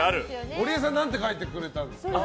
ゴリエさん何て書いてくれたんですか？